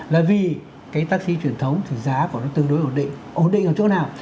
là vì cái taxi truyền thống thì giá của nó tương đối ổn định ổn định ở chỗ nào